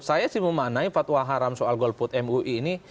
saya sih memaknai fatwa haram soal golput mui ini